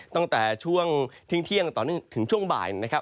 ตั้งแต่ช่วงที่เที่ยงตอนนี้ถึงช่วงบ่ายนะครับ